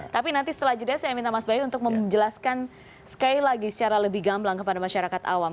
tapi nanti setelah jeda saya minta mas bayu untuk menjelaskan sekali lagi secara lebih gamblang kepada masyarakat awam